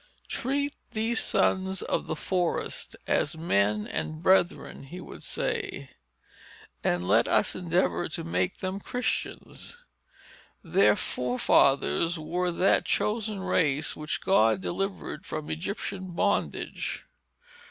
"Treat these sons of the forest as men and brethren," he would say, "and let us endeavor to make them Christians. Their forefathers were of that chosen race, whom God delivered from Egyptian bondage.